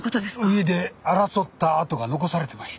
上で争った跡が残されてました。